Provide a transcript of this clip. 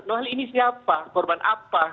noh ini siapa korban apa